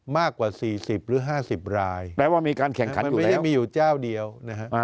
มากกว่า๔๐หรือ๕๐รายไม่ได้มีอยู่เจ้าเดียวนะฮะ